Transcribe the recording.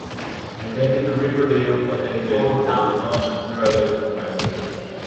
He attended Riverdale Collegiate but did not graduate from high school.